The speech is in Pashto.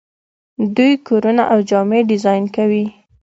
دوی کورونه او جامې ډیزاین کوي.